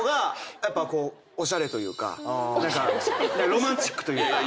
ロマンチックというか。